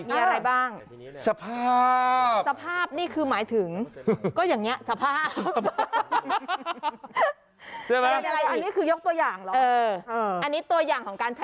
มีอะไรบ้าง